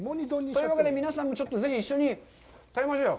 というわけで、皆さんもぜひ一緒に食べましょう。